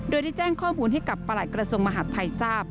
โดยที่แจ้งข้อมูลให้กับบาลัยกระทรงมหาฐไทยสาพ